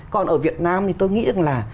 còn ở việt nam thì tôi nghĩ là